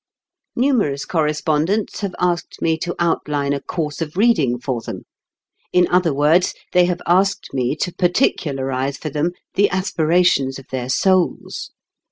Numerous correspondents have asked me to outline a course of reading for them. In other words, they have asked me to particularize for them the aspirations of their souls.